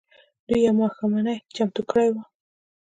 دوی يوه ماښامنۍ چمتو کړې وه.